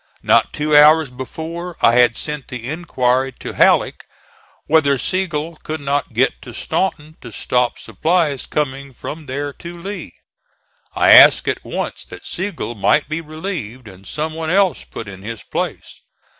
Not two hours before, I had sent the inquiry to Halleck whether Sigel could not get to Staunton to stop supplies coming from there to Lee. I asked at once that Sigel might be relieved, and some one else put in his place.